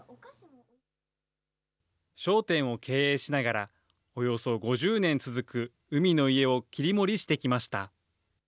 商店を経営しながら、およそ５０年続く海の家を切り盛りしてきました。